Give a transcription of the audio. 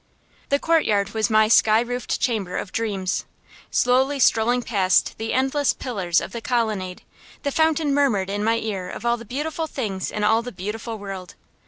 The courtyard was my sky roofed chamber of dreams. Slowly strolling past the endless pillars of the colonnade, the fountain murmured in my ear of all the beautiful things in all the beautiful world.